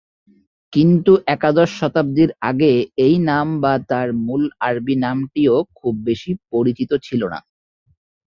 কিন্তু একাদশ শতাব্দীর আগে এই নাম বা তার মূল আরবী নামটিও খুব বেশি পরিচিত ছিল না।